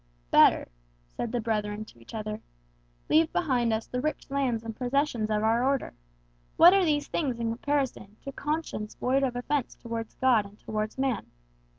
"Better," said the brethren to each other, "leave behind us the rich lands and possessions of our order; what are these things in comparison to a conscience void of offence towards God and towards man?